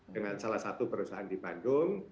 dengan salah satu perusahaan di bandung